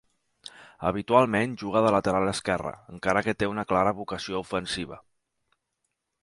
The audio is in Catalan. Habitualment juga de lateral esquerre, encara que té una clara vocació ofensiva.